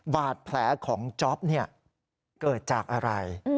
บาดแผลของจ๊อปเกิดจากอะไร